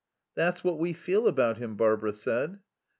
"That's what we feel about him," Barbara said.